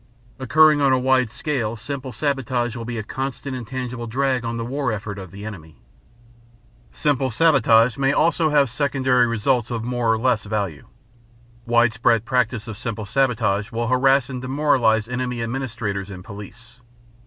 Occurring on a wide scale, simple sabotage will be a constant and tangible drag on the war effort of the enemy. Simple sabotage may also have secondary results of more or less value. Widespread practice of simple sabotage will harass and demoralize enemy administrators and police.